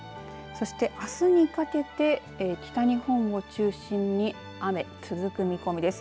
そしてあすにかけて北日本を中心に雨、続く見込みです。